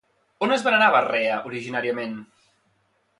On es venerava Rea originàriament?